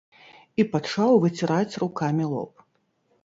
І пачаў выціраць рукамі лоб.